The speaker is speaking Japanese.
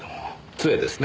杖ですね。